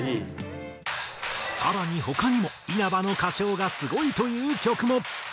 更に他にも稲葉の歌唱がすごいという曲も。